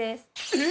えっ！？